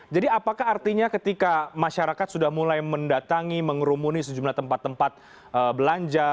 jadi apakah artinya ketika masyarakat sudah mulai mendatangi mengerumuni sejumlah tempat tempat belanja